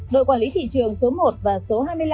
đội quản lý thị trường số một và số hai mươi năm